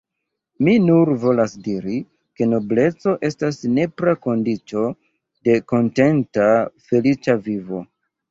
Mi nur volas diri, ke nobleco estas nepra kondiĉo de kontenta, feliĉa vivo.